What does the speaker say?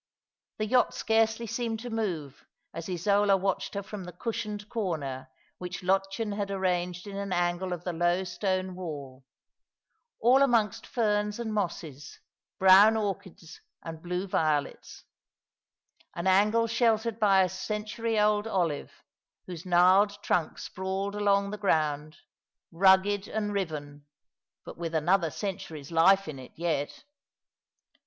The yacht scarcely seemed to move as Isola watched her from the cushioned corner which Lottchen had arranged in an angle of the low stone wall — all amongst ferns and mosses, brown orchises and blue violets— an angle sheltered by a century old olive, whose gnarled trunk sprawled along the ground, rugged and riven, but with another century's life in it yet.